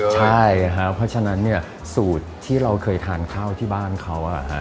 ใช่เพราะฉะนั้นสูตรที่เราเคยทานข้าวที่บ้านเขา